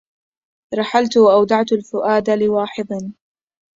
رحلت وأودعت الفؤاد لواحظا